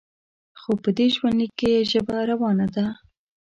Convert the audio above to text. خو په دې ژوندلیک کې یې ژبه روانه ده.